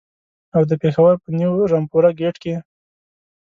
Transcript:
او د پېښور په نیو رمپوره ګېټ کې.